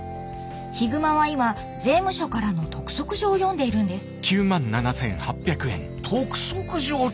ヒグマは今税務署からの督促状を読んでいるんです督促状とな？